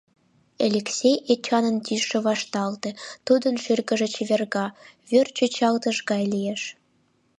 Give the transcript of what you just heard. Элексей Эчанын тӱсшӧ вашталте, тудын шӱргыжӧ чеверга, вӱр чӱчалтыш гай лиеш.